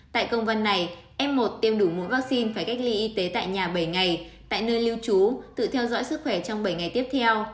tại công văn này f một tiêm đủ mũi vaccine phải cách ly y tế tại nhà bảy ngày tại nơi lưu trú tự theo dõi sức khỏe trong bảy ngày tiếp theo